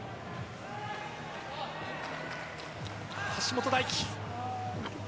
橋本大輝。